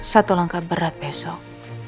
satu langkah berat besok